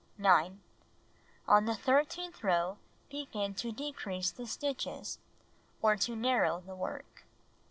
9. On the thirteenth row begin to decrease the stitches, or to narrow the work.